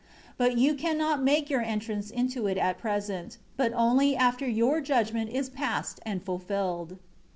3 But you can not make your entrance into it at present; but only after your judgment is past and fulfilled.